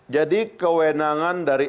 jadi kewenangan dari